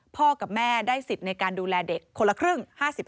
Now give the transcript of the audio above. กับแม่ได้สิทธิ์ในการดูแลเด็กคนละครึ่ง๕๐